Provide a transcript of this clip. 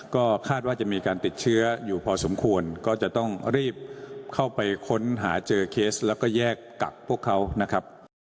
ก็คาดว่าจะมีการติดเชื้ออยู่พอสมควรก็จะต้องรีบเข้าไปค้นหาเจอเคสแล้วก็แยกกักพวกเขานะครับ